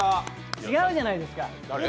違うじゃないですか。